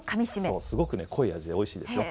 すごく濃い味で、おいしいですよ。